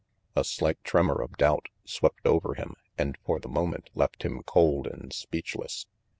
A slight tremor of doubt swept over him and for the moment left him cold and speechless.